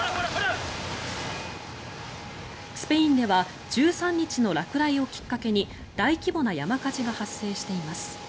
スペインでは１３日の落雷をきっかけに大規模な山火事が発生しています。